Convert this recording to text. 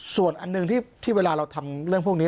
ส่วนอันหนึ่งที่เวลาเราทำเรื่องพวกนี้